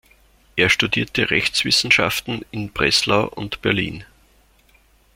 Er studierte Rechtswissenschaften in Breslau und Berlin.